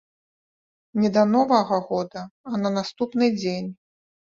Не да новага года, а на наступны дзень.